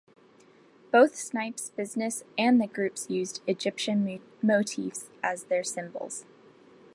Both Snipes' business and the groups used Egyptian motifs as their symbols.